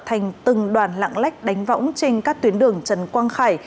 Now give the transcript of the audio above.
thành từng đoàn lạng lách đánh võng trên các tuyến đường trần quang khải